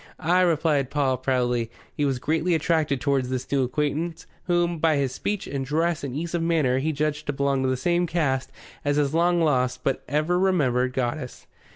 "Ay," replied Paul proudly. He was greatly attracted towards this new acquaintance, whom, by his speech and dress and ease of manner, he judged to belong to the same caste as his lost but ever remembered goddess.